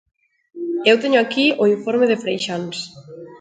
Eu teño aquí o informe de Freixáns.